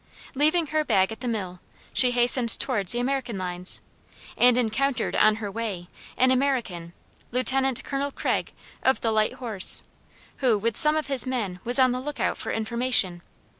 Leaving her bag at the mill, she hastened towards the American lines, and encountered on her way an American, Lieutenant Colonel Craig, of the light horse, who, with some of his men, was on the lookout for information.